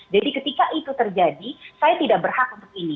jadi ketika itu terjadi saya tidak berhak untuk ini